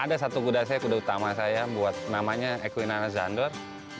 ada satu kuda saya kuda utama saya namanya eklina nazandor